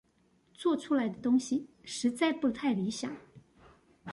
做出來的東西實在不太理想